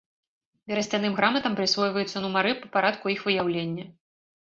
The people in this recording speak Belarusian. Берасцяным граматам прысвойваюцца нумары па парадку іх выяўлення.